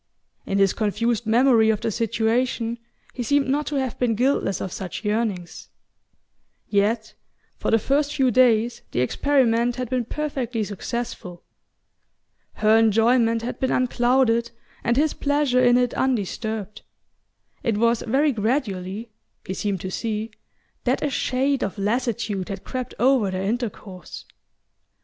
In his confused memory of the situation he seemed not to have been guiltless of such yearnings...Yet for the first few days the experiment had been perfectly successful. Her enjoyment had been unclouded and his pleasure in it undisturbed. It was very gradually he seemed to see that a shade of lassitude had crept over their intercourse.